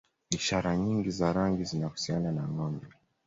Ishara nyingi za rangi zinahusiana na Ngombe